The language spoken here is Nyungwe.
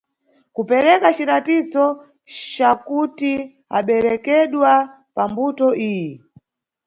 Kupereka ciratizo cakuti aberekedwa pambuto iyi.